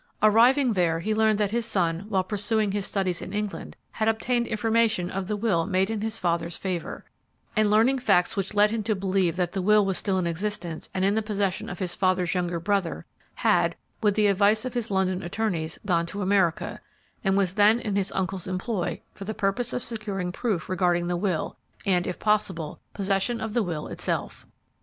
Arriving there, he learned that his son, while pursuing his studies in England, had obtained information of the will made in his father's favor, and learning facts which led him to believe that the will was still in existence and in the possession of his father's younger brother, had, with the advice of his London attorneys, gone to America, and was then in his uncle's employ for the purpose of securing proof regarding the will, and, if possible, possession of the will itself.